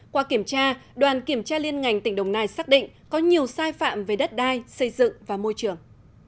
qua kiểm tra đoàn kiểm tra liên ngành tỉnh đồng nai xác định có nhiều sai phạm về đất đai xây dựng và môi trường